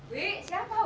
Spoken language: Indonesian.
wih siapa wih